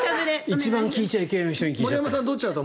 一番聞いちゃいけない人に聞いちゃった。